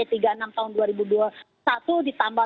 tahun dua ribu dua puluh satu ditambah